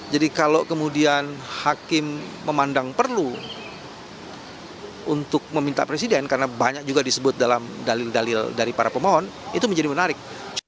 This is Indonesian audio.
jadi kalau kemudian hakim memandang perlu untuk meminta presiden karena banyak juga disebut dalam dalil dalil dari para pemohon itu menjadi menarik